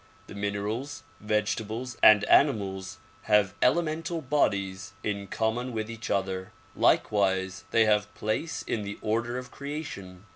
The minerals, vege tables and animals have elemental bodies in common with each other. Likewise they have place in the order of creation.